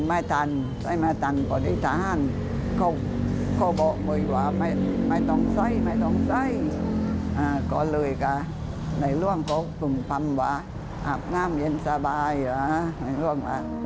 อ่าไม่ร่วงมาก